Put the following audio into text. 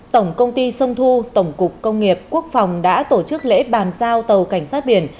tổng công ty sông thu tổng cục công nghiệp quốc phòng đã tổ chức lễ bàn giao tàu cảnh sát biển